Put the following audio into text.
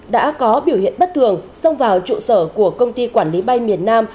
đã có biểu hiện bất thường xông vào trụ sở của công ty quản lý bay miền nam